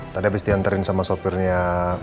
tadi habis diantarin sama sopirnya